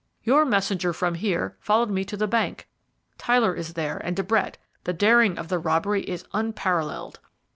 Your messenger from here followed me to the bank. Tyler is there and De Brett. The daring of the robbery is unparalleled."